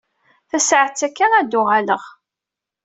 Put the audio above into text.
Tasaɛet akka ad d-uɣaleɣ.